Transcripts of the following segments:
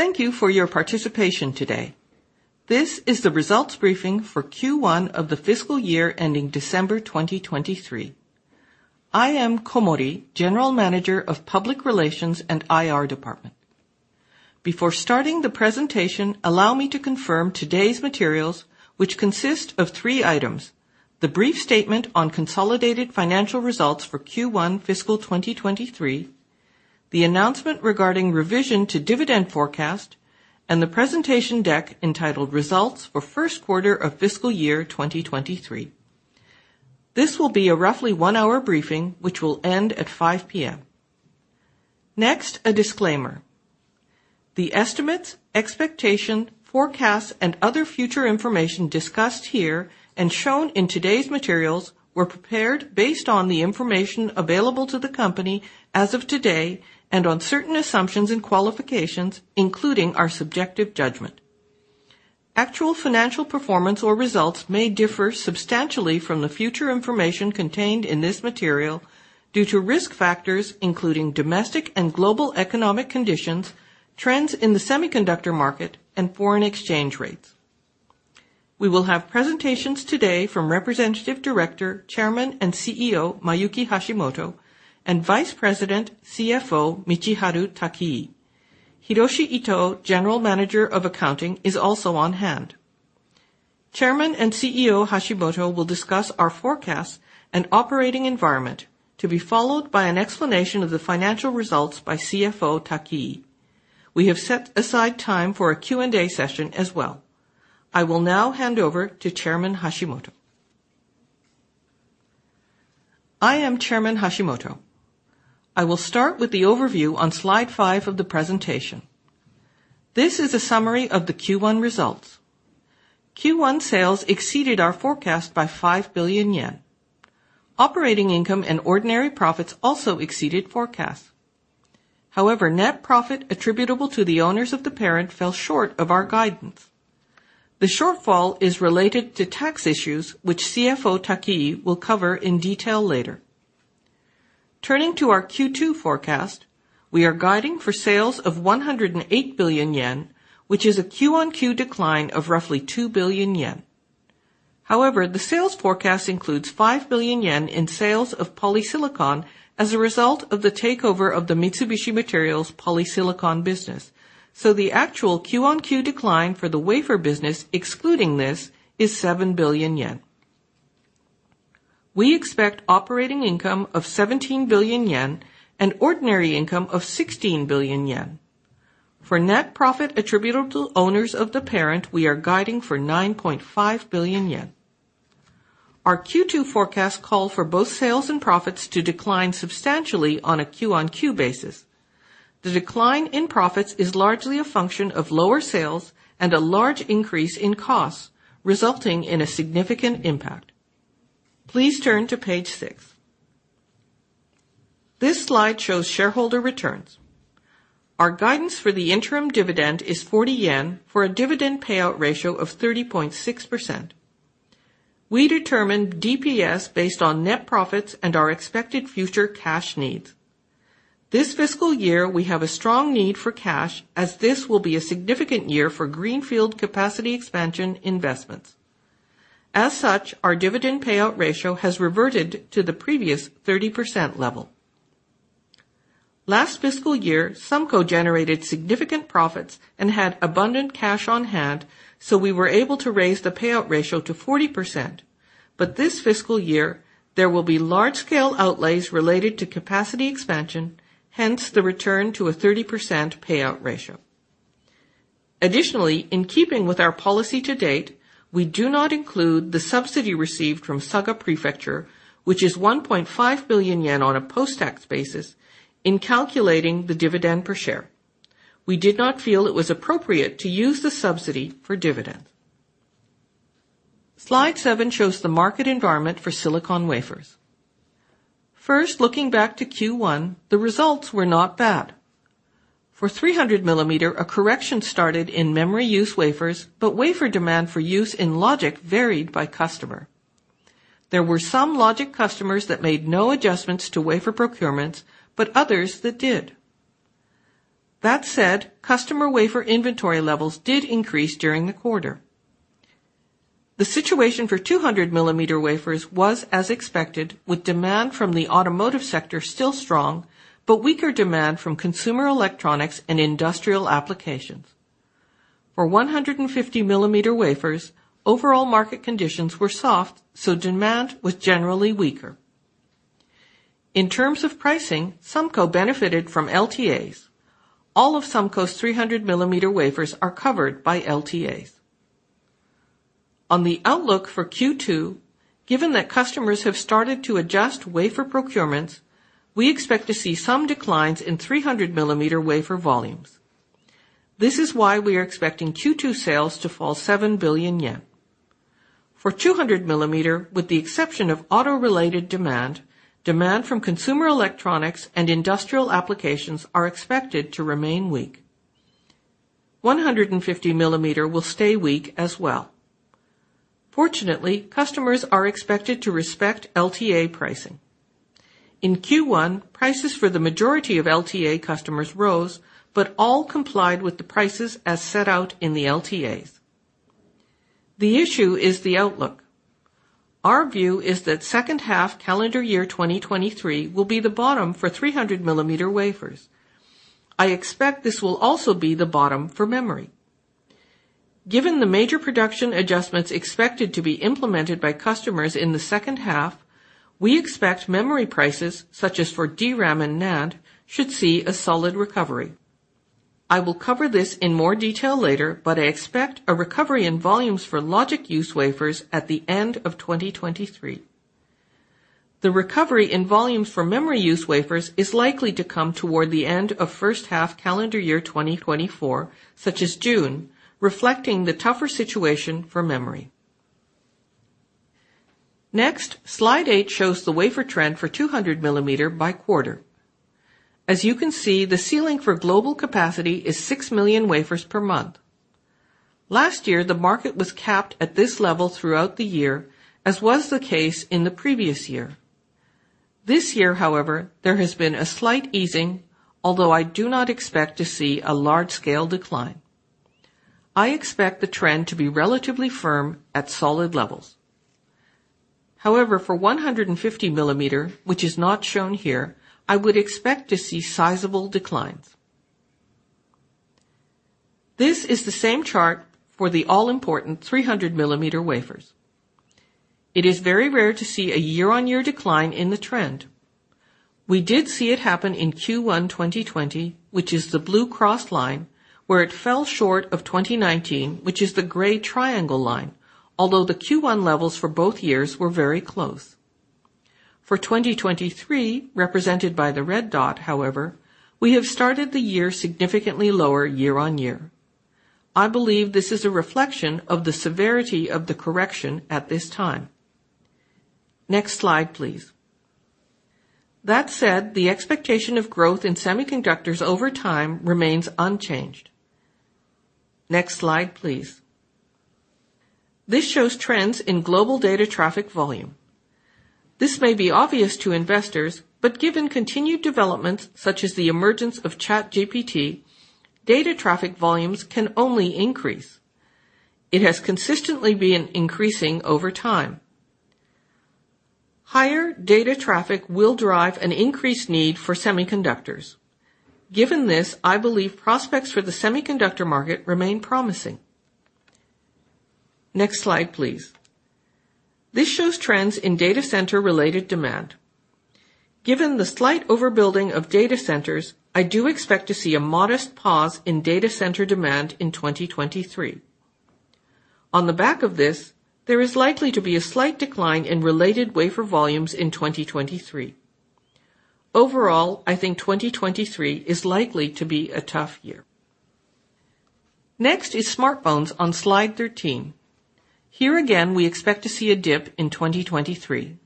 Thank you for your participation today. This is the results briefing for Q1 of the fiscal year ending December 2023. I am Komori, General Manager of Public Relations and IR Department. Before starting the presentation, allow me to confirm today's materials which consist of three items. The brief statement on consolidated financial results for Q1 fiscal 2023, the announcement regarding revision to dividend forecast, and the presentation deck entitled Results for First Quarter of Fiscal Year 2023. This will be a roughly one-hour briefing, which will end at 5:00 P.M. Next, a disclaimer. The estimates, expectation, forecasts, and other future information discussed here and shown in today's materials were prepared based on the information available to the company as of today and on certain assumptions and qualifications, including our subjective judgment. Actual financial performance or results may differ substantially from the future information contained in this material due to risk factors, including domestic and global economic conditions, trends in the semiconductor market and foreign exchange rates. We will have presentations today from Representative Director, Chairman and CEO Mayuki Hashimoto and Vice President CFO Michiharu Takii. Hiroshi Itoh, General Manager of Accounting, is also on hand. Chairman and CEO Hashimoto will discuss our forecasts and operating environment, to be followed by an explanation of the financial results by CFO Takii. We have set aside time for a Q&A session as well. I will now hand over to Chairman Hashimoto. I am Chairman Hashimoto. I will start with the overview on slide 5 of the presentation. This is a summary of the Q1 results. Q1 sales exceeded our forecast by 5 billion yen. Operating income and ordinary profits also exceeded forecasts. However, net profit attributable to the owners of the parent fell short of our guidance. The shortfall is related to tax issues, which CFO Takii will cover in detail later. Turning to our Q2 forecast, we are guiding for sales of 108 billion yen, which is a Q-on-Q decline of roughly 2 billion yen. However, the sales forecast includes 5 billion yen in sales of polysilicon as a result of the takeover of the Mitsubishi Materials polysilicon business. The actual Q-on-Q decline for the wafer business, excluding this, is 7 billion yen. We expect operating income of 17 billion yen and ordinary income of 16 billion yen. For net profit attributable to owners of the parent, we are guiding for 9.5 billion yen. Our Q2 forecast call for both sales and profits to decline substantially on a Q-on-Q basis. The decline in profits is largely a function of lower sales and a large increase in costs, resulting in a significant impact. Please turn to page six. This slide shows shareholder returns. Our guidance for the interim dividend is 40 yen for a dividend payout ratio of 30.6%. We determine DPS based on net profits and our expected future cash needs. This fiscal year, we have a strong need for cash as this will be a significant year for greenfield capacity expansion investments. As such, our dividend payout ratio has reverted to the previous 30% level. Last fiscal year, SUMCO generated significant profits and had abundant cash on hand, we were able to raise the payout ratio to 40%. This fiscal year, there will be large scale outlays related to capacity expansion, hence the return to a 30% payout ratio. Additionally, in keeping with our policy to date, we do not include the subsidy received from Saga Prefecture, which is 1.5 billion yen on a post-tax basis in calculating the dividend per share. We did not feel it was appropriate to use the subsidy for dividends. Slide 7 shows the market environment for silicon wafers. First, looking back to Q1, the results were not bad. For 300 millimeter, a correction started in memory use wafers, but wafer demand for use in logic varied by customer. There were some logic customers that made no adjustments to wafer procurements, but others that did. That said, customer wafer inventory levels did increase during the quarter. The situation for 200 millimeter wafers was as expected, with demand from the automotive sector still strong, but weaker demand from consumer electronics and industrial applications. For 150 millimeter wafers, overall market conditions were soft, so demand was generally weaker. In terms of pricing, SUMCO benefited from LTAs. All of SUMCO's 300 millimeter wafers are covered by LTAs. On the outlook for Q2, given that customers have started to adjust wafer procurements, we expect to see some declines in 300 millimeter wafer volumes. This is why we are expecting Q2 sales to fall 7 billion yen. For 200 millimeter, with the exception of auto-related demand from consumer electronics and industrial applications are expected to remain weak. 150 millimeter will stay weak as well. Fortunately, customers are expected to respect LTA pricing. In Q1, prices for the majority of LTA customers rose, but all complied with the prices as set out in the LTAs. The issue is the outlook. Our view is that second half calendar year 2023 will be the bottom for 300 mm wafers. I expect this will also be the bottom for memory. Given the major production adjustments expected to be implemented by customers in the second half, we expect memory prices, such as for DRAM and NAND, should see a solid recovery. I will cover this in more detail later, but I expect a recovery in volumes for logic use wafers at the end of 2023. The recovery in volumes for memory use wafers is likely to come toward the end of first half calendar year 2024, such as June, reflecting the tougher situation for memory. Slide 8 shows the wafer trend for 200 mm by quarter. As you can see, the ceiling for global capacity is 6 million wafers per month. Last year, the market was capped at this level throughout the year, as was the case in the previous year. This year, however, there has been a slight easing, although I do not expect to see a large-scale decline. I expect the trend to be relatively firm at solid levels. However, for 150 millimeter, which is not shown here, I would expect to see sizable declines. This is the same chart for the all-important 300 millimeter wafers. It is very rare to see a year-on-year decline in the trend. We did see it happen in Q1 2020, which is the blue crossed line, where it fell short of 2019, which is the gray triangle line, although the Q1 levels for both years were very close. For 2023, represented by the red dot, however, we have started the year significantly lower year-on-year. I believe this is a reflection of the severity of the correction at this time. Next slide, please. That said, the expectation of growth in semiconductors over time remains unchanged. Next slide, please. This shows trends in global data traffic volume. This may be obvious to investors, but given continued developments such as the emergence of ChatGPT, data traffic volumes can only increase. It has consistently been increasing over time. Higher data traffic will drive an increased need for semiconductors. Given this, I believe prospects for the semiconductor market remain promising. Next slide, please. This shows trends in data center related demand. Given the slight overbuilding of data centers, I do expect to see a modest pause in data center demand in 2023. On the back of this, there is likely to be a slight decline in related wafer volumes in 2023. Overall, I think 2023 is likely to be a tough year. Next is smartphones on slide 13. Here again, we expect to see a dip in 2023.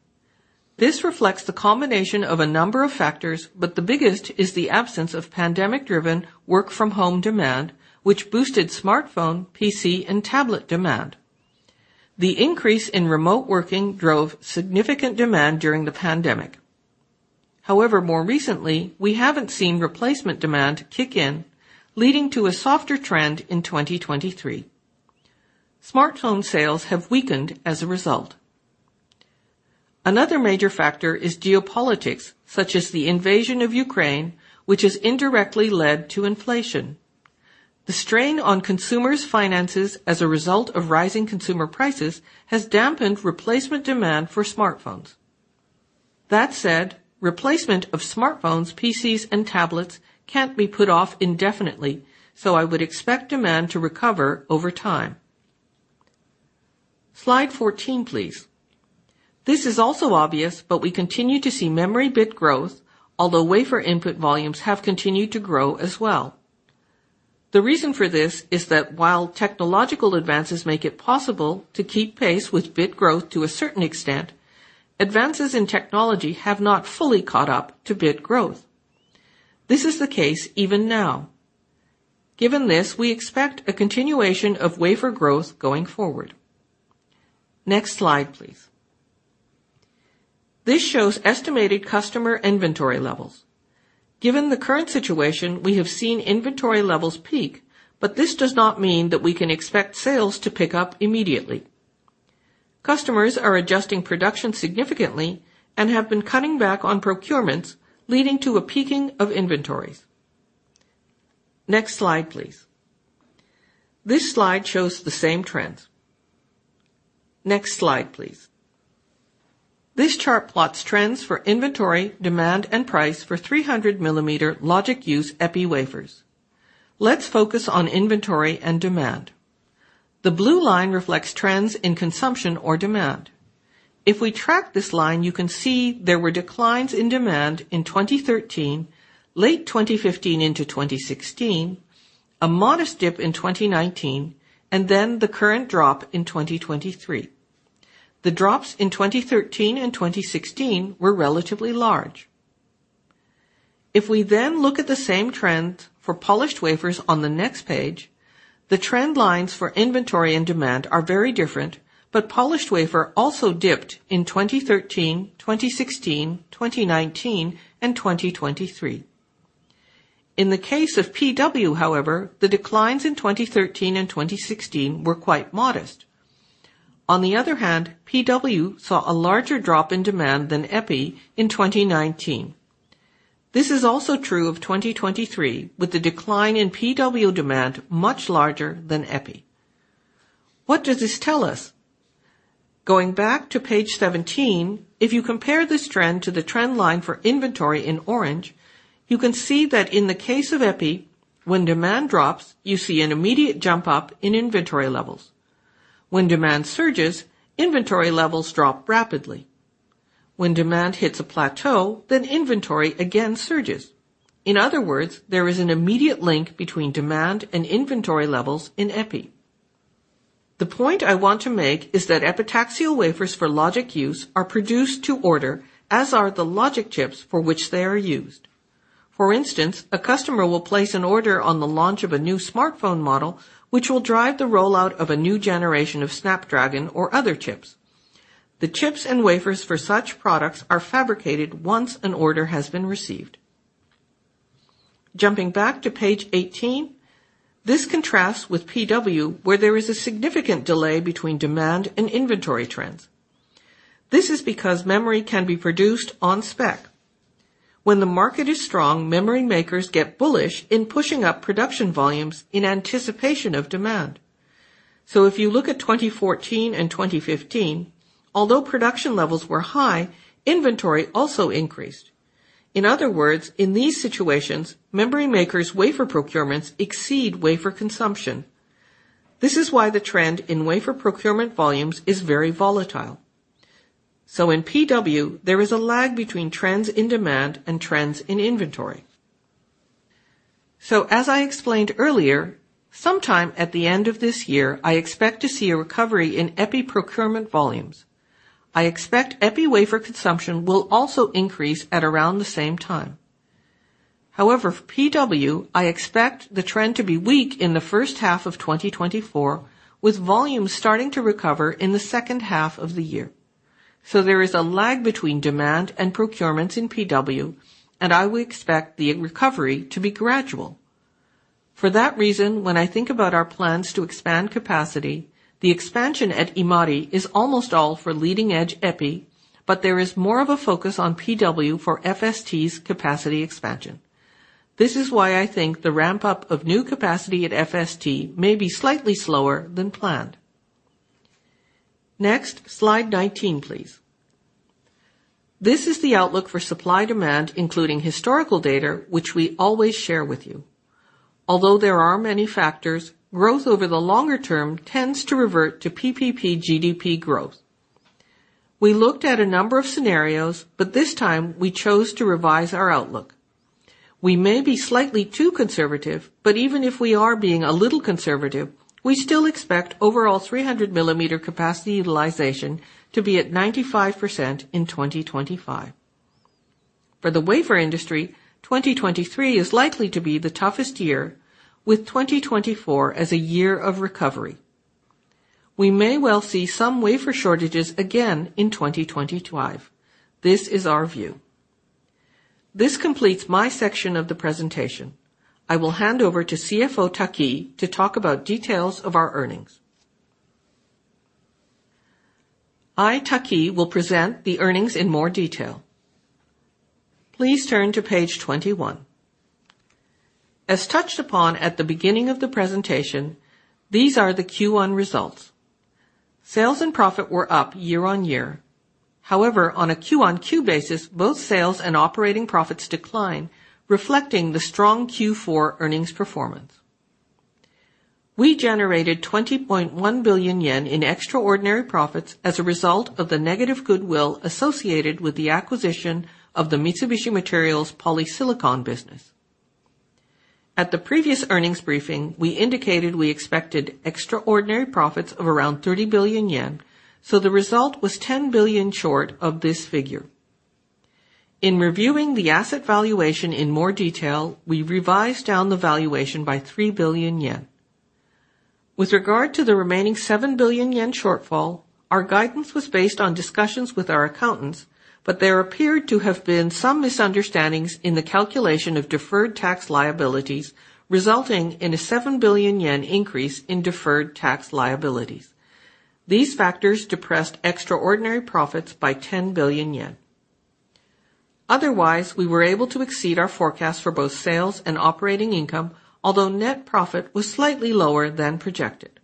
This reflects the combination of a number of factors, but the biggest is the absence of pandemic-driven work from home demand, which boosted smartphone, PC, and tablet demand. The increase in remote working drove significant demand during the pandemic. However, more recently, we haven't seen replacement demand kick in, leading to a softer trend in 2023. Smartphone sales have weakened as a result. Another major factor is geopolitics, such as the invasion of Ukraine, which has indirectly led to inflation. The strain on consumers' finances as a result of rising consumer prices has dampened replacement demand for smartphones. That said, replacement of smartphones, P.C.s, and tablets can't be put off indefinitely, so I would expect demand to recover over time. Slide 14, please. This is also obvious, but we continue to see memory bit growth, although wafer input volumes have continued to grow as well. The reason for this is that while technological advances make it possible to keep pace with bit growth to a certain extent, advances in technology have not fully caught up to bit growth. This is the case even now. Given this, we expect a continuation of wafer growth going forward. Next slide, please. This shows estimated customer inventory levels. Given the current situation, we have seen inventory levels peak, but this does not mean that we can expect sales to pick up immediately. Customers are adjusting production significantly and have been cutting back on procurements, leading to a peaking of inventories. Next slide, please. This slide shows the same trends. Next slide, please. This chart plots trends for inventory, demand, and price for 300 mm logic use EPI wafers. Let's focus on inventory and demand. The blue line reflects trends in consumption or demand. If we track this line, you can see there were declines in demand in 2013, late 2015 into 2016, a modest dip in 2019, and then the current drop in 2023. The drops in 2013 and 2016 were relatively large. If we then look at the same trend for polished wafers on the next page, the trend lines for inventory and demand are very different. Polished wafer also dipped in 2013, 2016, 2019, and 2023. In the case of PW, however, the declines in 2013 and 2016 were quite modest. On the other hand, PW saw a larger drop in demand than EPI in 2019. This is also true of 2023, with the decline in PW demand much larger than EPI. What does this tell us? Going back to page 17, if you compare this trend to the trend line for inventory in orange, you can see that in the case of EPI, when demand drops, you see an immediate jump up in inventory levels. When demand surges, inventory levels drop rapidly. When demand hits a plateau, then inventory again surges. In other words, there is an immediate link between demand and inventory levels in EPI. The point I want to make is that epitaxial wafers for logic use are produced to order, as are the logic chips for which they are used. For instance, a customer will place an order on the launch of a new smartphone model, which will drive the rollout of a new generation of Snapdragon or other chips. The chips and wafers for such products are fabricated once an order has been received. Jumping back to page 18, this contrasts with PW, where there is a significant delay between demand and inventory trends. This is because memory can be produced on spec. When the market is strong, memory makers get bullish in pushing up production volumes in anticipation of demand. If you look at 2014 and 2015, although production levels were high, inventory also increased. In other words, in these situations, memory makers' wafer procurements exceed wafer consumption. This is why the trend in wafer procurement volumes is very volatile. In PW, there is a lag between trends in demand and trends in inventory. As I explained earlier, sometime at the end of this year, I expect to see a recovery in EPI procurement volumes. I expect EPI wafer consumption will also increase at around the same time. However, for PW, I expect the trend to be weak in the first half of 2024, with volumes starting to recover in the second half of the year. There is a lag between demand and procurements in PW, and I would expect the recovery to be gradual. For that reason, when I think about our plans to expand capacity, the expansion at Imari is almost all for leading-edge EPI, but there is more of a focus on PW for FST's capacity expansion. This is why I think the ramp-up of new capacity at FST may be slightly slower than planned. Next, slide 19, please. This is the outlook for supply demand, including historical data, which we always share with you. Although there are many factors, growth over the longer term tends to revert to PPP GDP growth. We looked at a number of scenarios. This time we chose to revise our outlook. We may be slightly too conservative. Even if we are being a little conservative, we still expect overall 300 millimeter capacity utilization to be at 95% in 2025. For the wafer industry, 2023 is likely to be the toughest year, with 2024 as a year of recovery. We may well see some wafer shortages again in 2025. This is our view. This completes my section of the presentation. I will hand over to CFO Taki to talk about details of our earnings. I, Taki, will present the earnings in more detail. Please turn to page 21. As touched upon at the beginning of the presentation, these are the Q1 results. Sales and profit were up year-on-year. On a Q-on-Q basis, both sales and operating profits decline, reflecting the strong Q4 earnings performance. We generated 20.1 billion yen in extraordinary profits as a result of the negative goodwill associated with the acquisition of the Mitsubishi Materials polysilicon business. At the previous earnings briefing, we indicated we expected extraordinary profits of around 30 billion yen, so the result was 10 billion short of this figure. In reviewing the asset valuation in more detail, we revised down the valuation by 3 billion yen. With regard to the remaining 7 billion yen shortfall, our guidance was based on discussions with our accountants, but there appeared to have been some misunderstandings in the calculation of deferred tax liabilities, resulting in a 7 billion yen increase in deferred tax liabilities. These factors depressed extraordinary profits by 10 billion yen. Otherwise, we were able to exceed our forecast for both sales and operating income, although net profit was slightly lower than projected.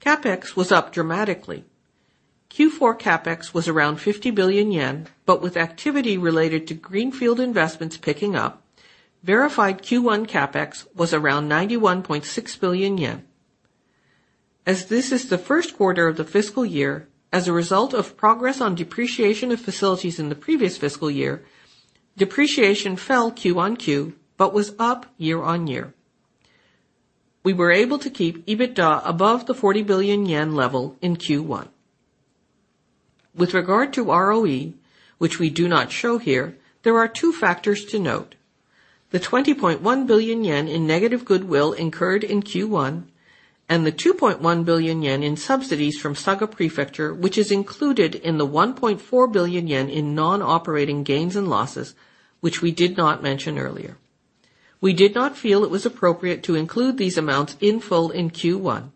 CapEx was up dramatically. Q4 CapEx was around 50 billion yen, but with activity related to greenfield investments picking up, verified Q1 CapEx was around 91.6 billion yen. As this is the first quarter of the fiscal year, as a result of progress on depreciation of facilities in the previous fiscal year, depreciation fell Q-on-Q but was up year-on-year. We were able to keep EBITDA above the 40 billion yen level in Q1. With regard to ROE, which we do not show here, there are two factors to note. The 20.1 billion yen in negative goodwill incurred in Q1 and the 2.1 billion yen in subsidies from Saga Prefecture, which is included in the 1.4 billion yen in non-operating gains and losses, which we did not mention earlier. We did not feel it was appropriate to include these amounts in full in Q1.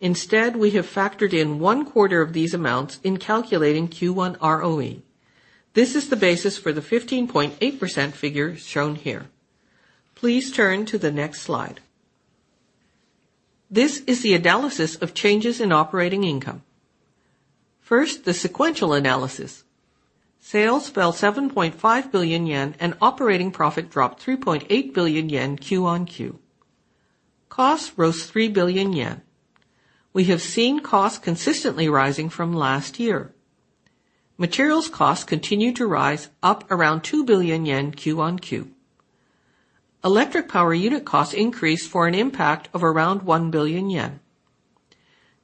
Instead, we have factored in one quarter of these amounts in calculating Q1 ROE. This is the basis for the 15.8% figure shown here. Please turn to the next slide. This is the analysis of changes in operating income. First, the sequential analysis. Sales fell 7.5 billion yen and operating profit dropped 3.8 billion yen Q-on-Q. Costs rose 3 billion yen. We have seen costs consistently rising from last year. Materials costs continue to rise up around 2 billion yen Q-on-Q. Electric power unit costs increased for an impact of around 1 billion yen.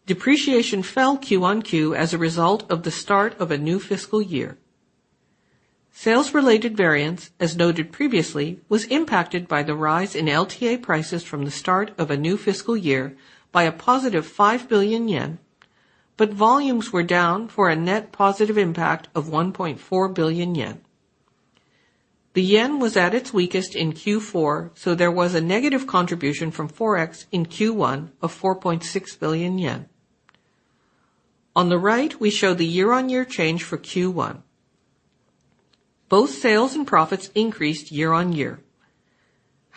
Depreciation fell Q-on-Q as a result of the start of a new fiscal year. Sales related variance, as noted previously, was impacted by the rise in LTA prices from the start of a new fiscal year by a positive 5 billion yen, but volumes were down for a net positive impact of 1.4 billion yen. The yen was at its weakest in Q4. There was a negative contribution from Forex in Q1 of 4.6 billion yen. On the right, we show the year-on-year change for Q1. Both sales and profits increased year-on-year.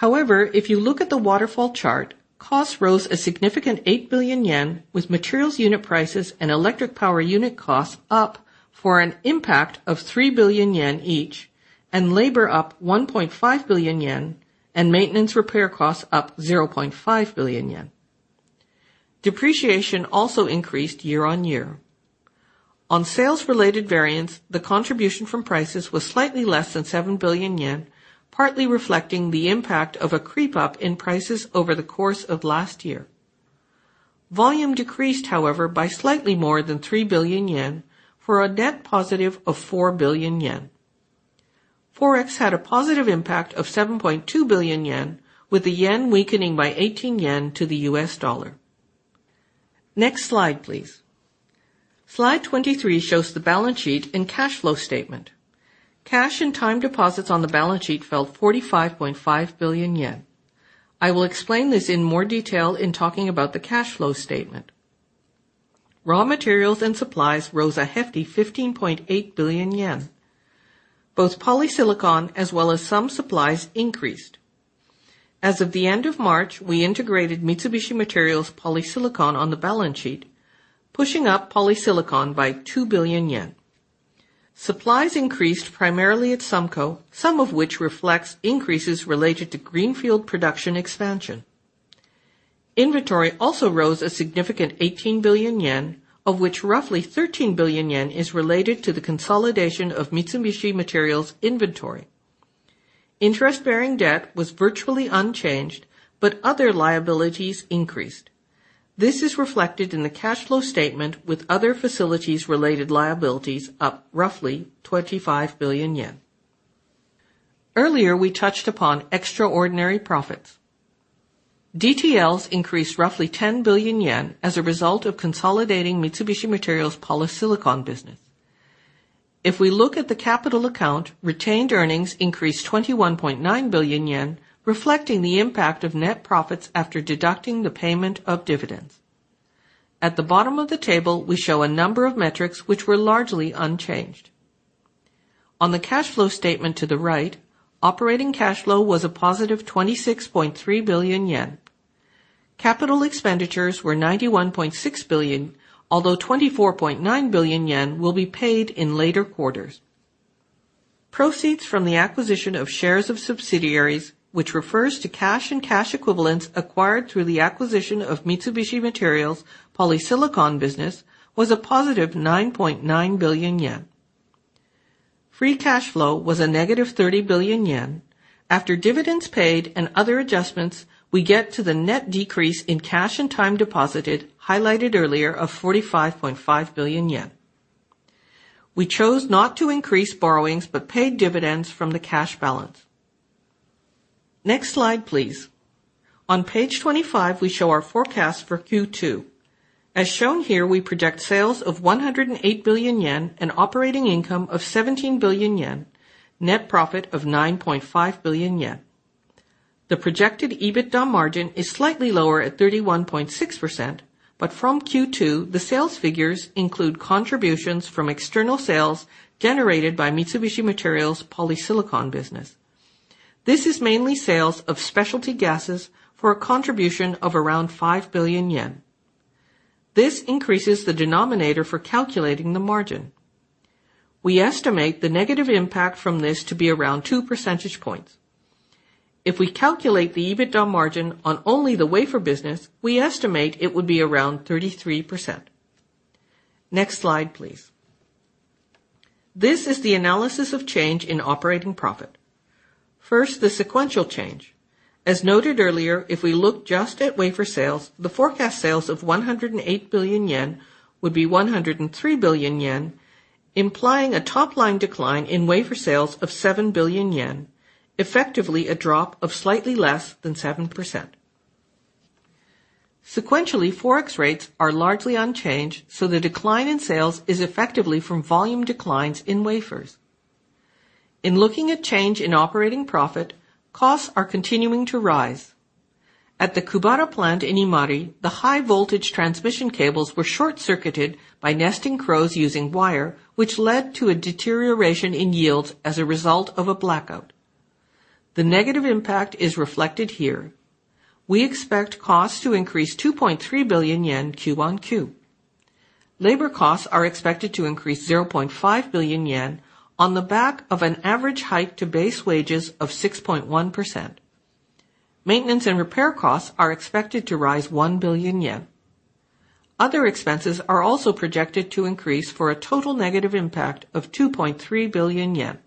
If you look at the waterfall chart, costs rose a significant 8 billion yen, with materials unit prices and electric power unit costs up for an impact of 3 billion yen each and labor up 1.5 billion yen and maintenance repair costs up 0.5 billion yen. Depreciation also increased year-on-year. On sales related variance, the contribution from prices was slightly less than 7 billion yen, partly reflecting the impact of a creep up in prices over the course of last year. Volume decreased, however, by slightly more than 3 billion yen for a net positive of 4 billion yen. Forex had a positive impact of 7.2 billion yen, with the yen weakening by 18 yen to the U.S. dollar. Next slide, please. Slide 23 shows the balance sheet and cash flow statement. Cash and time deposits on the balance sheet fell 45.5 billion yen. I will explain this in more detail in talking about the cash flow statement. Raw materials and supplies rose a hefty 15.8 billion yen. Both polysilicon as well as some supplies increased. As of the end of March, we integrated Mitsubishi Materials polysilicon on the balance sheet, pushing up polysilicon by 2 billion yen. Supplies increased primarily at SUMCO, some of which reflects increases related to greenfield production expansion. Inventory also rose a significant 18 billion yen, of which roughly 13 billion yen is related to the consolidation of Mitsubishi Materials inventory. Interest-bearing debt was virtually unchanged, but other liabilities increased. This is reflected in the cash flow statement with other facilities related liabilities up roughly 25 billion yen. Earlier, we touched upon extraordinary profits. DTLs increased roughly 10 billion yen as a result of consolidating Mitsubishi Materials polysilicon business. If we look at the capital account, retained earnings increased 21.9 billion yen, reflecting the impact of net profits after deducting the payment of dividends. At the bottom of the table, we show a number of metrics which were largely unchanged. On the cash flow statement to the right, operating cash flow was a positive 26.3 billion yen. Capital expenditures were 91.6 billion, although 24.9 billion yen will be paid in later quarters. Proceeds from the acquisition of shares of subsidiaries, which refers to cash and cash equivalents acquired through the acquisition of Mitsubishi Materials polysilicon business, was a positive 9.9 billion yen. Free cash flow was a negative 30 billion yen. After dividends paid and other adjustments, we get to the net decrease in cash and time deposited highlighted earlier of 45.5 billion yen. We chose not to increase borrowings but paid dividends from the cash balance. Next slide, please. On page 25, we show our forecast for Q2. As shown here, we project sales of 108 billion yen an operating income of 17 billion yen, net profit of 9.5 billion yen. The projected EBITDA margin is slightly lower at 31.6%, but from Q2, the sales figures include contributions from external sales generated by Mitsubishi Materials polysilicon business. This is mainly sales of specialty gases for a contribution of around 5 billion yen. This increases the denominator for calculating the margin. We estimate the negative impact from this to be around 2 percentage points. If we calculate the EBITDA margin on only the wafer business, we estimate it would be around 33%. Next slide, please. This is the analysis of change in operating profit. The sequential change. As noted earlier, if we look just at wafer sales, the forecast sales of 108 billion yen would be 103 billion yen, implying a top-line decline in wafer sales of 7 billion yen, effectively a drop of slightly less than 7%. Forex rates are largely unchanged, so the decline in sales is effectively from volume declines in wafers. Looking at change in operating profit, costs are continuing to rise. At the Kubara plant in Imari, the high voltage transmission cables were short-circuited by nesting crows using wire, which led to a deterioration in yields as a result of a blackout. The negative impact is reflected here. We expect costs to increase 2.3 billion yen Q-on-Q. Labor costs are expected to increase 0.5 billion yen on the back of an average hike to base wages of 6.1%. Maintenance and repair costs are expected to rise 1 billion yen. Other expenses are also projected to increase for a total negative impact of 2.3 billion yen.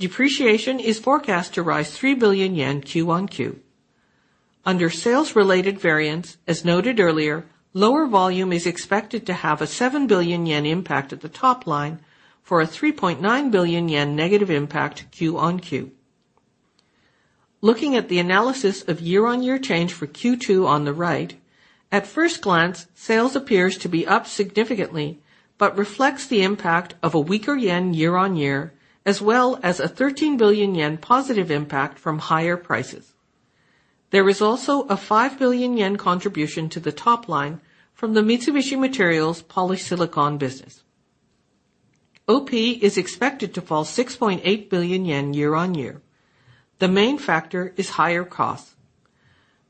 Depreciation is forecast to rise 3 billion yen Q-on-Q. Under sales related variance, as noted earlier, lower volume is expected to have a 7 billion yen impact at the top line for a 3.9 billion yen negative impact Q-on-Q. Looking at the analysis of year-on-year change for Q2 on the right, at first glance, sales appears to be up significantly but reflects the impact of a weaker yen year-on-year, as well as a 13 billion yen positive impact from higher prices. There is also a 5 billion yen contribution to the top line from the Mitsubishi Materials polysilicon business. OP is expected to fall 6.8 billion yen year-on-year. The main factor is higher costs.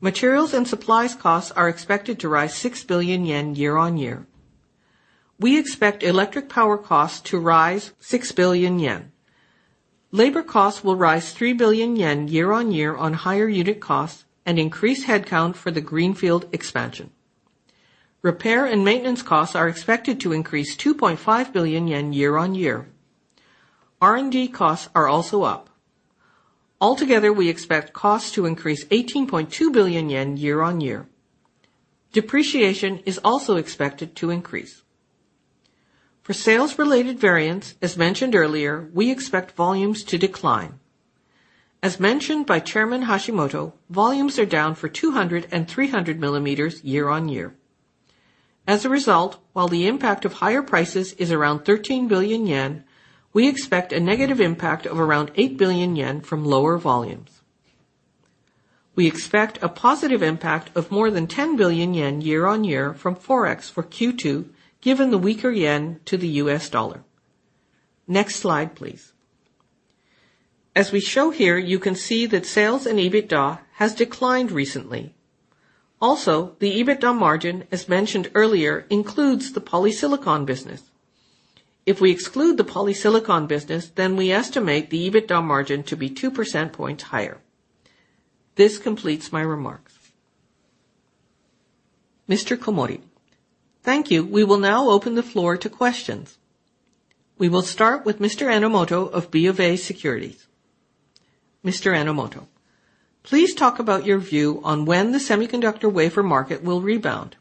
Materials and supplies costs are expected to rise 6 billion yen year-on-year. We expect electric power costs to rise 6 billion yen. Labor costs will rise 3 billion yen year-on-year on higher unit costs and increase headcount for the greenfield expansion. Repair and maintenance costs are expected to increase 2.5 billion yen year-on-year. R&D costs are also up. Altogether, we expect costs to increase 18.2 billion yen year-on-year. Depreciation is also expected to increase. For sales-related variance, as mentioned earlier, we expect volumes to decline. As mentioned by Chairman Hashimoto, volumes are down for 200 and 300 millimeters year-on-year. As a result, while the impact of higher prices is around 13 billion yen, we expect a negative impact of around 8 billion yen from lower volumes. We expect a positive impact of more than 10 billion yen year-on-year from Forex for Q2, given the weaker yen to the US dollar. Next slide, please. As we show here, you can see that sales and EBITDA has declined recently. Also, the EBITDA margin, as mentioned earlier, includes the polysilicon business. If we exclude the polysilicon business, then we estimate the EBITDA margin to be 2 percentage points higher. This completes my remarks. Mr. Komori. Thank you. We will now open the floor to questions. We will start with Mr. Enomoto of BofA Securities. Mr. Enomoto. Please talk about your view on when the semiconductor wafer market will rebound.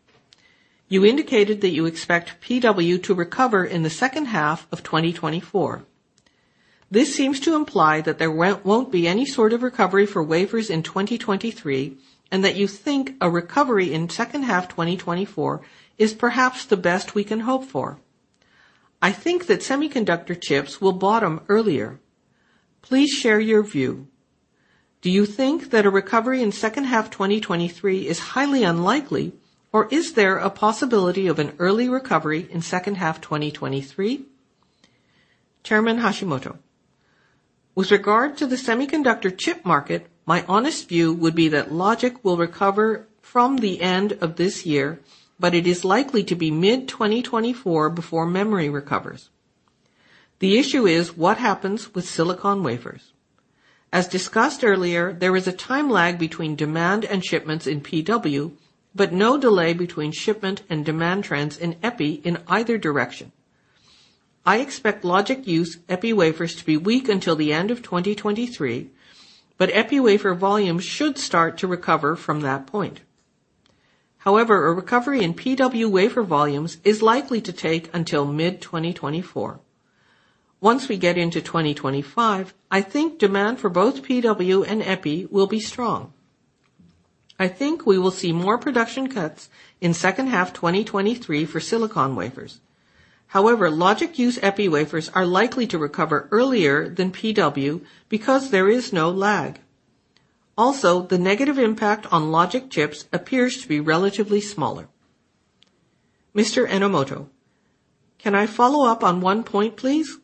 You indicated that you expect PW to recover in the second half of 2024. This seems to imply that there won't be any sort of recovery for wafers in 2023, and that you think a recovery in second half 2024 is perhaps the best we can hope for. I think that semiconductor chips will bottom earlier. Please share your view. Do you think that a recovery in second half 2023 is highly unlikely, or is there a possibility of an early recovery in second half 2023? Chairman Hashimoto. With regard to the semiconductor chip market, my honest view would be that logic will recover from the end of this year, but it is likely to be mid-2024 before memory recovers. The issue is what happens with silicon wafers. As discussed earlier, there is a time lag between demand and shipments in PW, but no delay between shipment and demand trends in EPI in either direction. I expect logic use EPI wafers to be weak until the end of 2023, but EPI wafer volumes should start to recover from that point. However, a recovery in PW wafer volumes is likely to take until mid-2024. Once we get into 2025, I think demand for both PW and EPI will be strong. I think we will see more production cuts in second half 2023 for silicon wafers. However, logic use EPI wafers are likely to recover earlier than PW because there is no lag. The negative impact on logic chips appears to be relatively smaller. Mr. Enomoto, can I follow up on one point, please?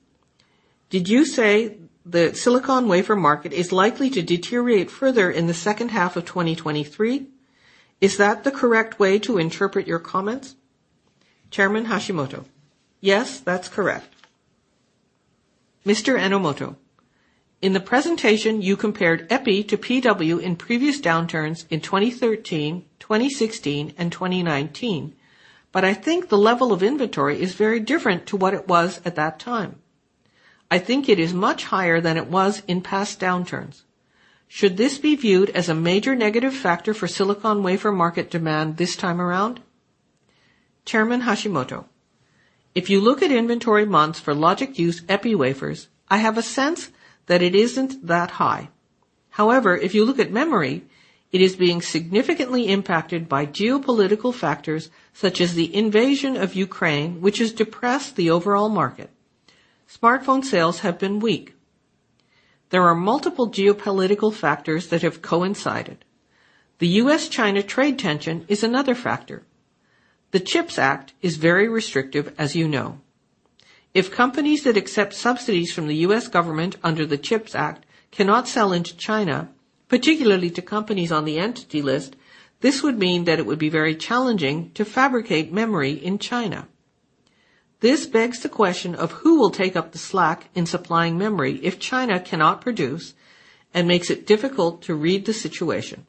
Did you say the silicon wafer market is likely to deteriorate further in the second half of 2023? Is that the correct way to interpret your comments? Chairman Hashimoto. Yes, that's correct. Mr. Enomoto, in the presentation you compared EPI to PW in previous downturns in 2013, 2016, and 2019. I think the level of inventory is very different to what it was at that time. I think it is much higher than it was in past downturns. Should this be viewed as a major negative factor for silicon wafer market demand this time around? Chairman Hashimoto, if you look at inventory months for logic use EPI wafers, I have a sense that it isn't that high. However, if you look at memory, it is being significantly impacted by geopolitical factors such as the invasion of Ukraine, which has depressed the overall market. Smartphone sales have been weak. There are multiple geopolitical factors that have coincided. The US-China trade tension is another factor. The CHIPS Act is very restrictive, as you know. If companies that accept subsidies from the U.S. government under the CHIPS Act cannot sell into China, particularly to companies on the Entity List, this would mean that it would be very challenging to fabricate memory in China. This begs the question of who will take up the slack in supplying memory if China cannot produce and makes it difficult to read the situation.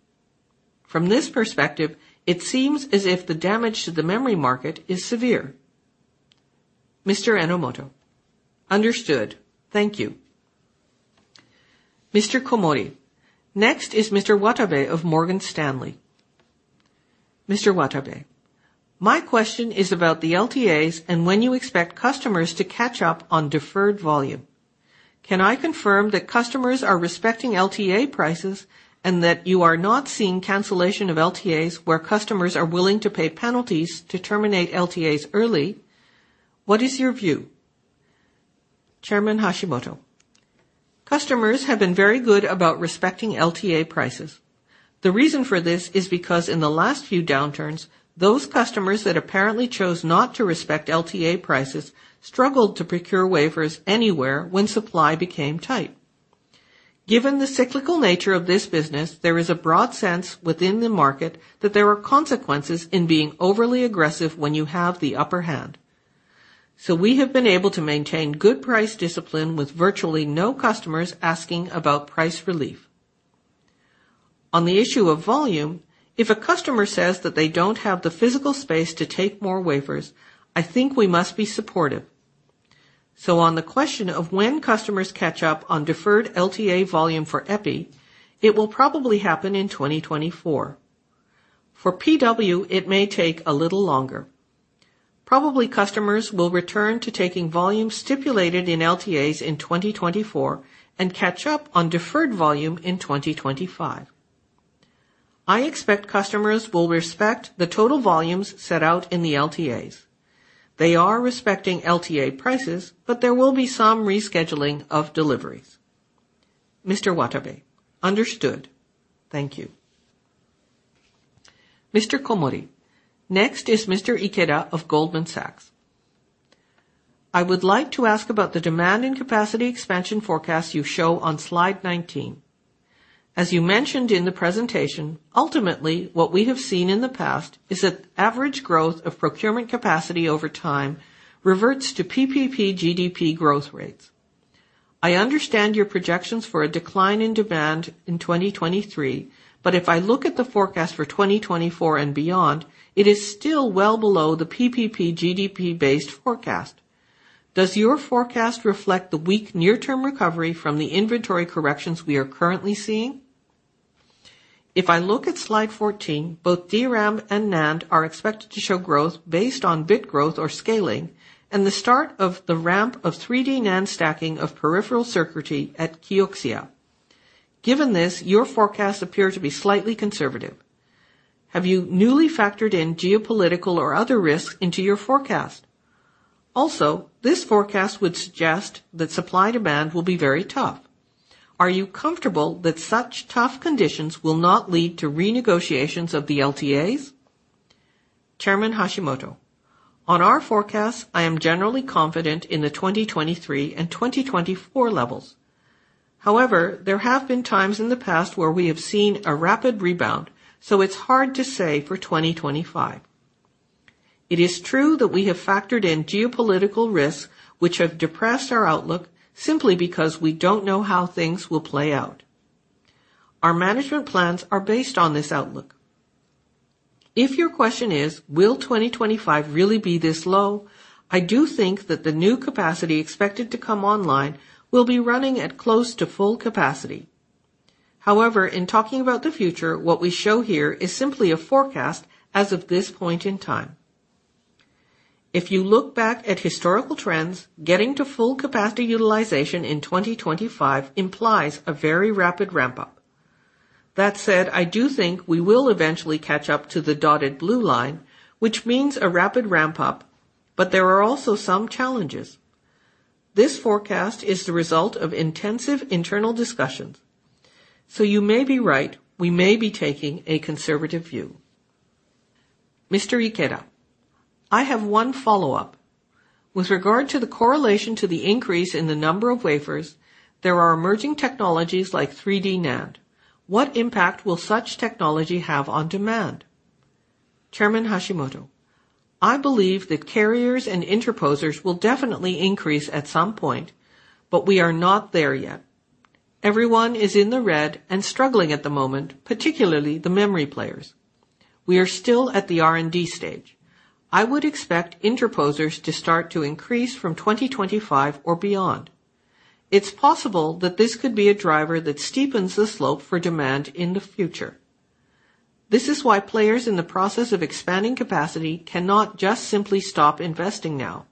From this perspective, it seems as if the damage to the memory market is severe. Mr. Enomoto: Understood. Thank you. Mr. Komori, next is Mr. Watabe of Morgan Stanley. Mr. Watabe: My question is about the LTAs and when you expect customers to catch up on deferred volume. Can I confirm that customers are respecting LTA prices and that you are not seeing cancellation of LTAs where customers are willing to pay penalties to terminate LTAs early? What is your view? Chairman Hashimoto: Customers have been very good about respecting LTA prices. The reason for this is because in the last few downturns, those customers that apparently chose not to respect LTA prices struggled to procure wafers anywhere when supply became tight. Given the cyclical nature of this business, there is a broad sense within the market that there are consequences in being overly aggressive when you have the upper hand. We have been able to maintain good price discipline with virtually no customers asking about price relief. On the issue of volume, if a customer says that they don't have the physical space to take more wafers, I think we must be supportive. On the question of when customers catch up on deferred LTA volume for EPI, it will probably happen in 2024. For PW, it may take a little longer. Probably customers will return to taking volume stipulated in LTAs in 2024 and catch up on deferred volume in 2025. I expect customers will respect the total volumes set out in the LTAs. They are respecting LTA prices, but there will be some rescheduling of deliveries. Mr. Watabe: Understood. Thank you. Mr. Komori, next is Mr. Ikeda of Goldman Sachs. I would like to ask about the demand and capacity expansion forecast you show on slide 19. As you mentioned in the presentation, ultimately, what we have seen in the past is that average growth of procurement capacity over time reverts to PPP GDP growth rates. I understand your projections for a decline in demand in 2023, but if I look at the forecast for 2024 and beyond, it is still well below the PPP GDP-based forecast. Does your forecast reflect the weak near-term recovery from the inventory corrections we are currently seeing? If I look at slide 14, both DRAM and NAND are expected to show growth based on bit growth or scaling, and the start of the ramp of 3D NAND stacking of peripheral circuitry at Kioxia. Given this, your forecast appear to be slightly conservative. Have you newly factored in geopolitical or other risks into your forecast? This forecast would suggest that supply-demand will be very tough. Are you comfortable that such tough conditions will not lead to renegotiations of the LTAs? On our forecast, I am generally confident in the 2023 and 2024 levels. However, there have been times in the past where we have seen a rapid rebound, so it's hard to say for 2025. It is true that we have factored in geopolitical risks which have depressed our outlook simply because we don't know how things will play out. Our management plans are based on this outlook. If your question is, "Will 2025 really be this low?" I do think that the new capacity expected to come online will be running at close to full capacity. However, in talking about the future, what we show here is simply a forecast as of this point in time. If you look back at historical trends, getting to full capacity utilization in 2025 implies a very rapid ramp-up. That said, I do think we will eventually catch up to the dotted blue line, which means a rapid ramp-up, but there are also some challenges. This forecast is the result of intensive internal discussions. You may be right. We may be taking a conservative view. I have one follow-up. With regard to the correlation to the increase in the number of wafers, there are emerging technologies like 3D NAND. What impact will such technology have on demand? I believe that carriers and interposers will definitely increase at some point, but we are not there yet. Everyone is in the red and struggling at the moment, particularly the memory players. We are still at the R&D stage. I would expect interposers to start to increase from 2025 or beyond. It's possible that this could be a driver that steepens the slope for demand in the future. This is why players in the process of expanding capacity cannot just simply stop investing now.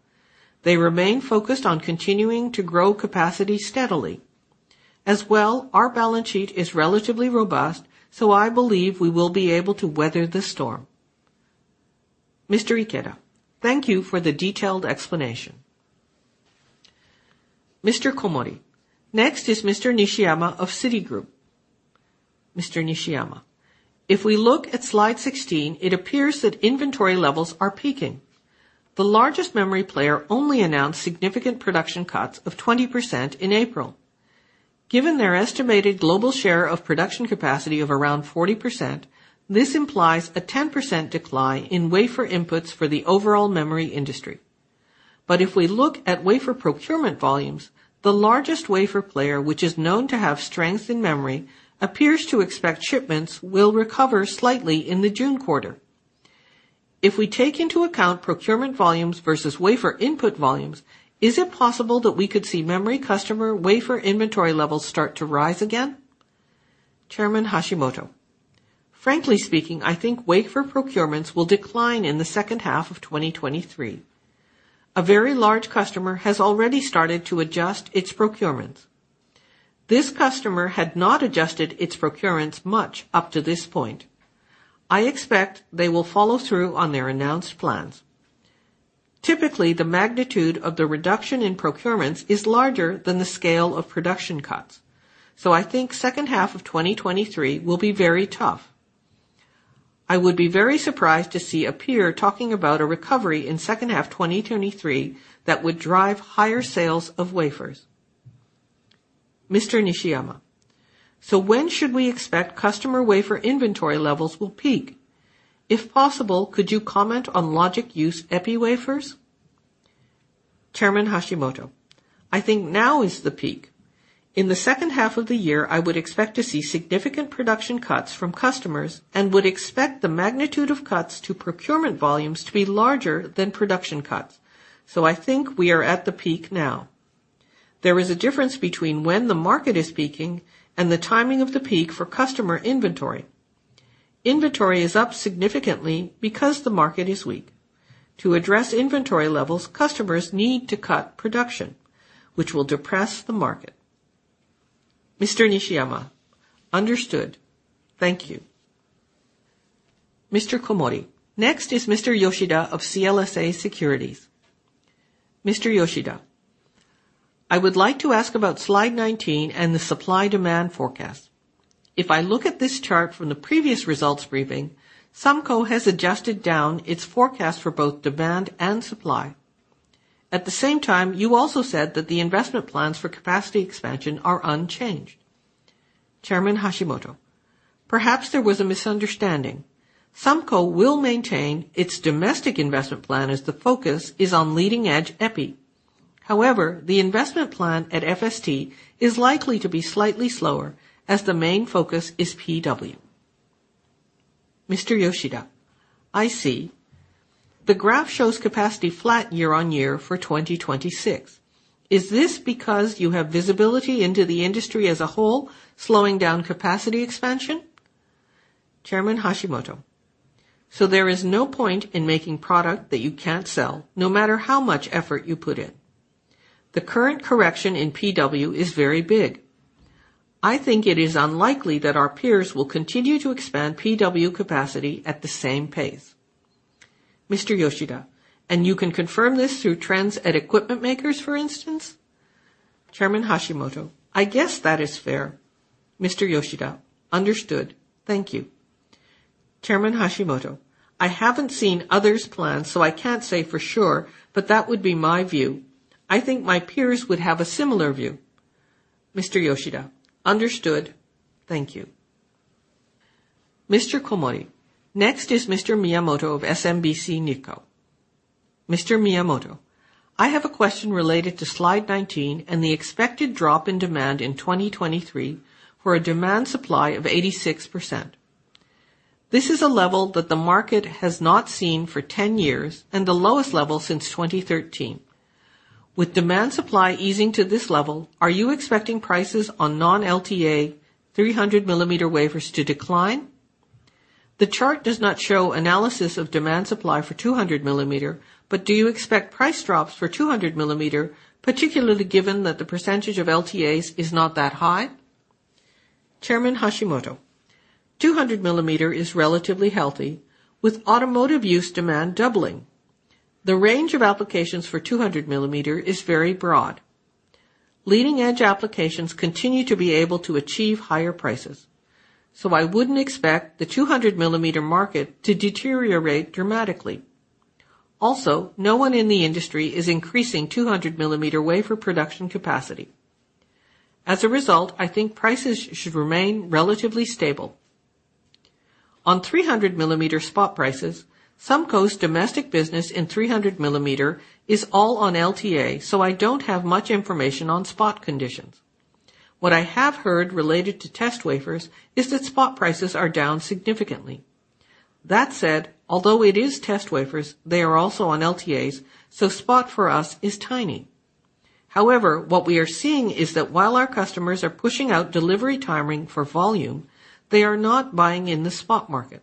They remain focused on continuing to grow capacity steadily. As well, our balance sheet is relatively robust, so I believe we will be able to weather the storm. Mr. Ikeda: Thank you for the detailed explanation. Mr. Komori: Next is Mr. Nishiyama of Citigroup. Mr. Nishiyama: If we look at slide 16, it appears that inventory levels are peaking. The largest memory player only announced significant production cuts of 20% in April. Given their estimated global share of production capacity of around 40%, this implies a 10% decline in wafer inputs for the overall memory industry. If we look at wafer procurement volumes, the largest wafer player, which is known to have strength in memory, appears to expect shipments will recover slightly in the June quarter. If we take into account procurement volumes versus wafer input volumes, is it possible that we could see memory customer wafer inventory levels start to rise again? Chairman Hashimoto: Frankly speaking, I think wafer procurements will decline in the second half of 2023. A very large customer has already started to adjust its procurements. This customer had not adjusted its procurements much up to this point. I expect they will follow through on their announced plans. Typically, the magnitude of the reduction in procurements is larger than the scale of production cuts. I think second half of 2023 will be very tough. I would be very surprised to see a peer talking about a recovery in second half of 2023 that would drive higher sales of wafers. Mr. Nishiyama: When should we expect customer wafer inventory levels will peak? If possible, could you comment on logic use EPI wafers? Chairman Hashimoto: I think now is the peak. In the second half of the year, I would expect to see significant production cuts from customers and would expect the magnitude of cuts to procurement volumes to be larger than production cuts. I think we are at the peak now. There is a difference between when the market is peaking and the timing of the peak for customer inventory. Inventory is up significantly because the market is weak. To address inventory levels, customers need to cut production, which will depress the market. Mr. Nishiyama: Understood. Thank you. Komori: Next is Mr. Yoshida of CLSA Securities. Mr. Yoshida: I would like to ask about slide 19 and the supply-demand forecast. If I look at this chart from the previous results briefing, Sumco has adjusted down its forecast for both demand and supply. At the same time, you also said that the investment plans for capacity expansion are unchanged. Chairman Hashimoto: Perhaps there was a misunderstanding. Sumco will maintain its domestic investment plan as the focus is on leading-edge EPI. However, the investment plan at FST is likely to be slightly slower, as the main focus is PW. Mr. Yoshida: I see. The graph shows capacity flat year-on-year for 2026. Is this because you have visibility into the industry as a whole, slowing down capacity expansion? Chairman Hashimoto: There is no point in making product that you can't sell, no matter how much effort you put in. The current correction in PW is very big. I think it is unlikely that our peers will continue to expand PW capacity at the same pace. Mr. Yoshida: You can confirm this through trends at equipment makers, for instance? Chairman Hashimoto: I guess that is fair. Mr. Yoshida: Understood. Thank you. Chairman Hashimoto: I haven't seen others' plans, so I can't say for sure, but that would be my view. I think my peers would have a similar view. Mr. Yoshida: Understood. Thank you. Mr. Komori: Next is Mr. Miyamoto of SMBC Nikko. Mr. Miyamoto: I have a question related to slide 19 and the expected drop in demand in 2023 for a demand supply of 86%. This is a level that the market has not seen for 10 years and the lowest level since 2013. With demand supply easing to this level, are you expecting prices on non-LTA 300 millimeter wafers to decline? The chart does not show analysis of demand supply for 200 millimeter, do you expect price drops for 200 millimeter, particularly given that the percentage of LTAs is not that high? Chairman Hashimoto: 200 millimeter is relatively healthy, with automotive use demand doubling. The range of applications for 200 millimeter is very broad. Leading-edge applications continue to be able to achieve higher prices. I wouldn't expect the 200 millimeter market to deteriorate dramatically. Also, no one in the industry is increasing 200 millimeter wafer production capacity. As a result, I think prices should remain relatively stable. On 300 millimeter spot prices, SUMCO's domestic business in 300 millimeter is all on LTA. I don't have much information on spot conditions. What I have heard related to test wafers is that spot prices are down significantly. That said, although it is test wafers, they are also on LTAs. Spot for us is tiny. However, what we are seeing is that while our customers are pushing out delivery timing for volume, they are not buying in the spot market.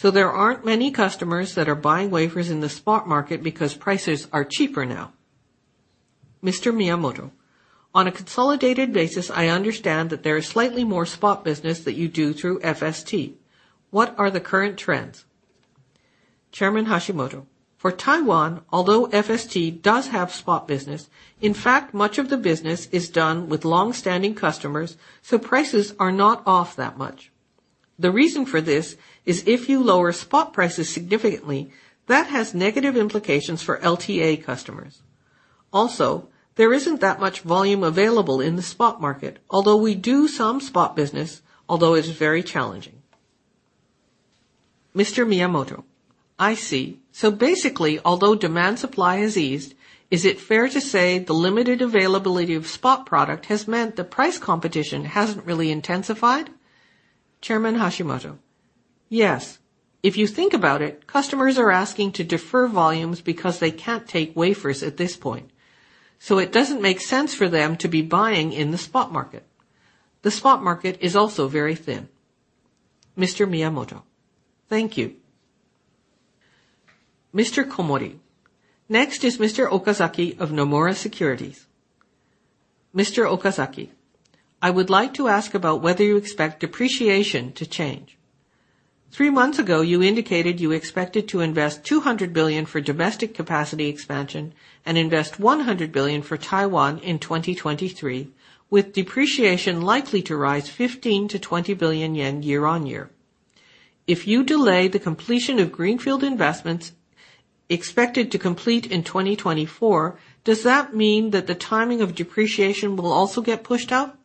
There aren't many customers that are buying wafers in the spot market because prices are cheaper now. Mr. Miyamoto: On a consolidated basis, I understand that there is slightly more spot business that you do through FST. What are the current trends? Chairman Hashimoto: For Taiwan, although FST does have spot business, in fact, much of the business is done with long-standing customers, so prices are not off that much. The reason for this is if you lower spot prices significantly, that has negative implications for LTA customers. Also, there isn't that much volume available in the spot market, although we do some spot business, although it's very challenging. Mr. Miyamoto: I see. Basically, although demand supply has eased, is it fair to say the limited availability of spot product has meant the price competition hasn't really intensified? Chairman Hashimoto: Yes. If you think about it, customers are asking to defer volumes because they can't take wafers at this point, so it doesn't make sense for them to be buying in the spot market. The spot market is also very thin. Mr. Miyamoto: Thank you. Mr. Komori: Next is Mr. Okazaki of Nomura Securities. Mr. Okazaki, I would like to ask about whether you expect depreciation to change. Three months ago, you indicated you expected to invest 200 billion for domestic capacity expansion and invest 100 billion for Taiwan in 2023, with depreciation likely to rise 15 billion-20 billion yen year-on-year. If you delay the completion of greenfield investments expected to complete in 2024, does that mean that the timing of depreciation will also get pushed out?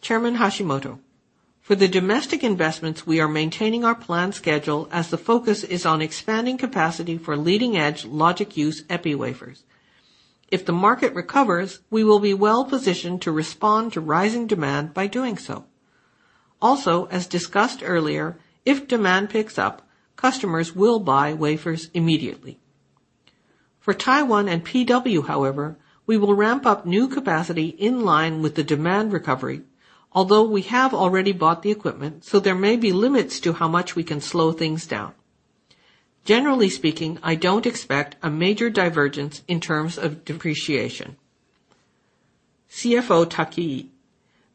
Chairman Hashimoto: For the domestic investments, we are maintaining our planned schedule as the focus is on expanding capacity for leading-edge logic use EPI wafers. If the market recovers, we will be well positioned to respond to rising demand by doing so. Also, as discussed earlier, if demand picks up, customers will buy wafers immediately. For Taiwan and PW, we will ramp up new capacity in line with the demand recovery, although we have already bought the equipment, there may be limits to how much we can slow things down. Generally speaking, I don't expect a major divergence in terms of depreciation. CFO Taki: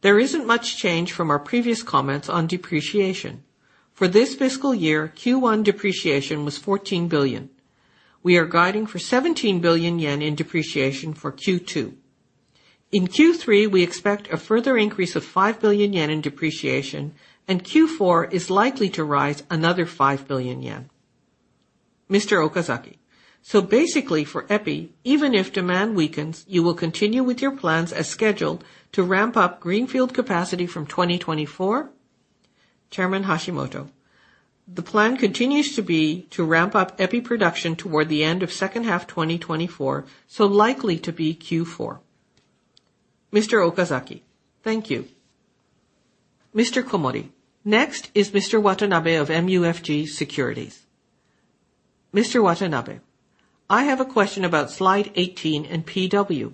There isn't much change from our previous comments on depreciation. For this fiscal year, Q1 depreciation was 14 billion. We are guiding for 17 billion yen in depreciation for Q2. In Q3, we expect a further increase of 5 billion yen in depreciation, Q4 is likely to rise another 5 billion yen. Mr. Okazaki: Basically for EPI, even if demand weakens, you will continue with your plans as scheduled to ramp up greenfield capacity from 2024? Chairman Hashimoto: The plan continues to be to ramp up EPI production toward the end of second half 2024, so likely to be Q4. Mr. Okazaki: Thank you. Mr. Komori: Next is Mr. Watanabe of MUFG Securities. Mr. Watanabe, I have a question about slide 18 and PW.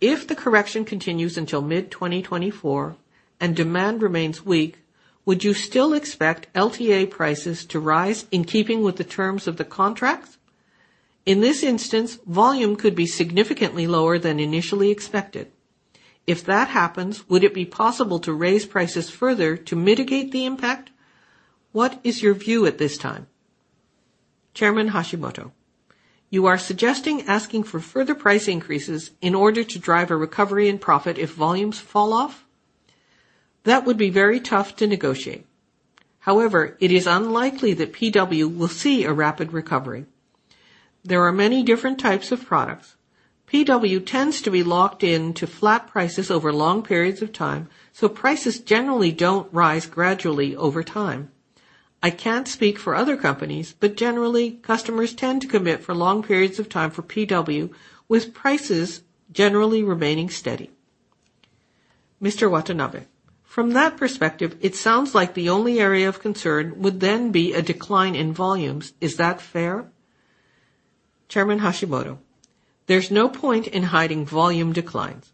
If the correction continues until mid-2024 and demand remains weak, would you still expect LTA prices to rise in keeping with the terms of the contracts? In this instance, volume could be significantly lower than initially expected. If that happens, would it be possible to raise prices further to mitigate the impact? What is your view at this time? Chairman Hashimoto: You are suggesting asking for further price increases in order to drive a recovery in profit if volumes fall off? That would be very tough to negotiate. However, it is unlikely that PW will see a rapid recovery. There are many different types of products. PW tends to be locked into flat prices over long periods of time, prices generally don't rise gradually over time. I can't speak for other companies, generally, customers tend to commit for long periods of time for PW, with prices generally remaining steady. Mr. Watanabe: From that perspective, it sounds like the only area of concern would be a decline in volumes. Is that fair? Chairman Hashimoto: There's no point in hiding volume declines.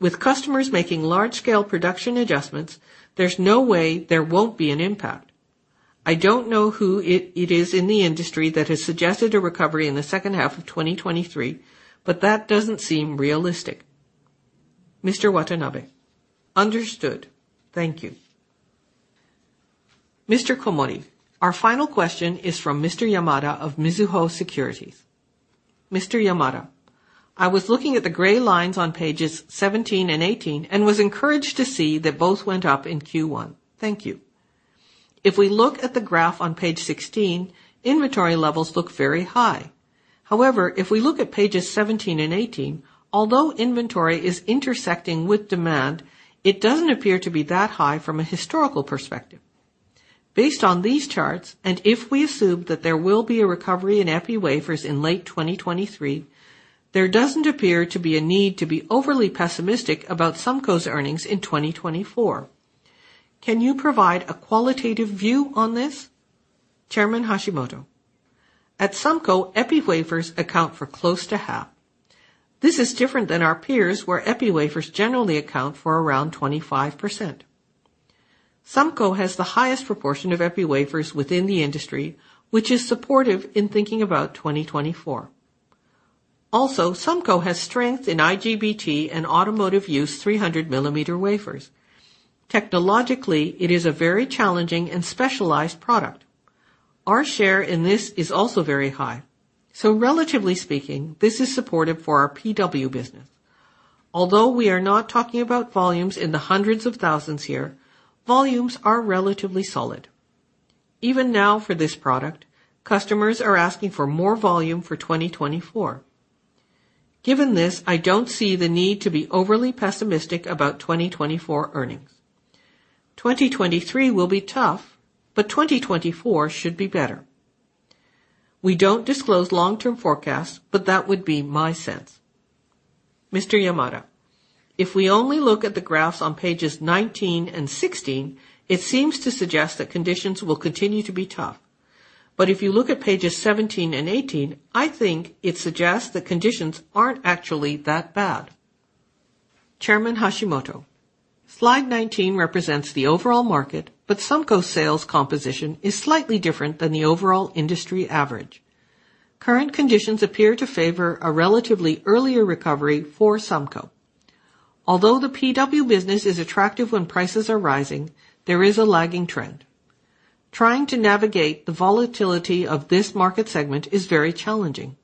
With customers making large-scale production adjustments, there's no way there won't be an impact. I don't know who it is in the industry that has suggested a recovery in the second half of 2023, that doesn't seem realistic. Mr. Watanabe: Understood. Thank you. Mr. Komori: Our final question is from Mr. Yamada of Mizuho Securities. Yamada, I was looking at the gray lines on pages 17 and 18 and was encouraged to see that both went up in Q1. Thank you. However, if we look at the graph on page 16, inventory levels look very high. If we look at pages 17 and 18, although inventory is intersecting with demand, it doesn't appear to be that high from a historical perspective. Based on these charts, and if we assume that there will be a recovery in epi wafers in late 2023, there doesn't appear to be a need to be overly pessimistic about SUMCO's earnings in 2024. Can you provide a qualitative view on this? Chairman Hashimoto: At SUMCO, epi wafers account for close to half. This is different than our peers, where epi wafers generally account for around 25%. SUMCO has the highest proportion of EPI wafers within the industry, which is supportive in thinking about 2024. SUMCO has strength in IGBT and automotive use 300 millimeter wafers. Technologically, it is a very challenging and specialized product. Our share in this is also very high. Relatively speaking, this is supportive for our PW business. Although we are not talking about volumes in the hundreds of thousands here, volumes are relatively solid. Even now for this product, customers are asking for more volume for 2024. Given this, I don't see the need to be overly pessimistic about 2024 earnings. 2023 will be tough, 2024 should be better. We don't disclose long-term forecasts, that would be my sense. Mr. Yamada: If we only look at the graphs on pages 19 and 16, it seems to suggest that conditions will continue to be tough. If you look at pages 17 and 18, I think it suggests that conditions aren't actually that bad. Chairman Hashimoto: Slide 19 represents the overall market, but SUMCO sales composition is slightly different than the overall industry average. Current conditions appear to favor a relatively earlier recovery for SUMCO. Although the PW business is attractive when prices are rising, there is a lagging trend. Trying to navigate the volatility of this market segment is very challenging.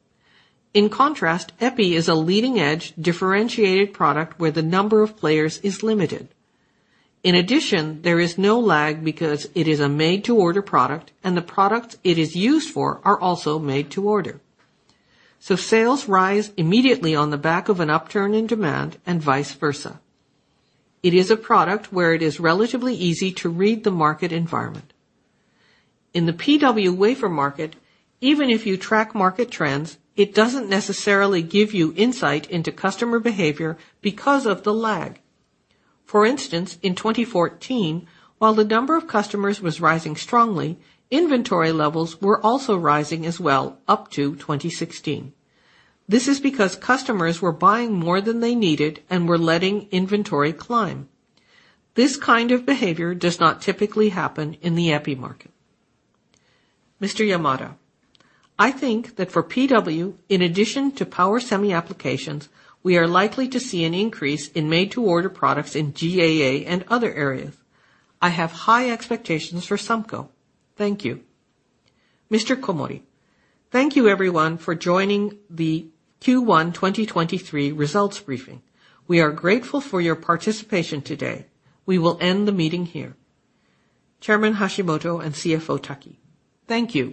In contrast, epi is a leading-edge differentiated product where the number of players is limited. In addition, there is no lag because it is a made-to-order product, and the products it is used for are also made to order. Sales rise immediately on the back of an upturn in demand and vice versa. It is a product where it is relatively easy to read the market environment. In the PW wafer market, even if you track market trends, it doesn't necessarily give you insight into customer behavior because of the lag. For instance, in 2014, while the number of customers was rising strongly, inventory levels were also rising as well up to 2016. This is because customers were buying more than they needed and were letting inventory climb. This kind of behavior does not typically happen in the EPI market. Mr. Yamada: I think that for PW, in addition to power semi applications, we are likely to see an increase in made-to-order products in GAA and other areas. I have high expectations for SUMCO. Thank you. Mr. Thank you everyone for joining the Q1 2023 results briefing. We are grateful for your participation today. We will end the meeting here. Chairman Hashimoto and CFO Taki. Thank you.